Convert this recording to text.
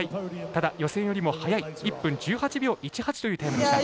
ただ予選よりも早い１分１８秒１８というタイムでした。